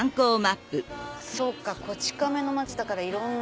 そうか『こち亀』の街だからいろんな。